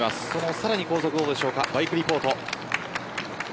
さらに後続はどうでしょうかバイクリポートです。